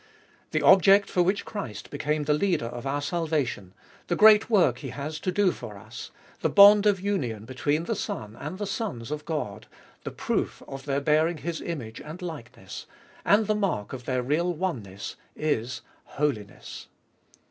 The object for which Christ became the Leader of our salvation, the great work He has to do for us, the bond of union between the Son and the sons of God, the proof of their bearing His image and likeness, and the mark of their real oneness, is Holiness.